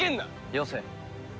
よせ。